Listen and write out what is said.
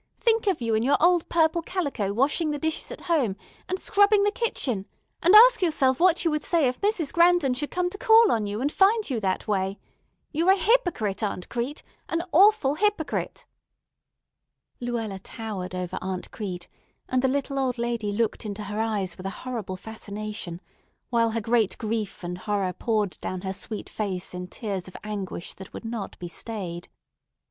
Think of you in your old purple calico washing the dishes at home, and scrubbing the kitchen, and ask yourself what you would say if Mrs. Grandon should come to call on you, and find you that way. You're a hypocrite, Aunt Crete, an awful hypocrite!" [Illustration: "'IT'S A LIE! I SAY IT'S A LIE!'"] Luella towered over Aunt Crete, and the little old lady looked into her eyes with a horrible fascination, while her great grief and horror poured down her sweet face in tears of anguish that would not be stayed.